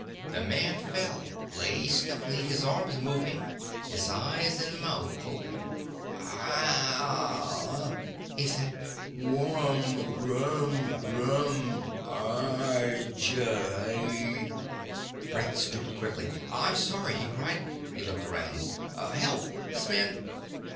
The man fell, lay stiffly, his arms moving, his eyes and mouth open. "Ahhhhh," he said. "Whum whum whum. Awww, jawww ..." Brett stooped quickly. "I'm sorry," he cried. He looked around. "Help! This man